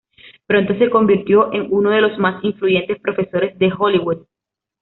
Pronto se convirtió en uno de los más influyentes profesores de Hollywood.